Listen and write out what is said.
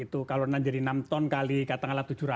itu kalau nanti bisa enam ton kan berarti kami sudah empat dua juta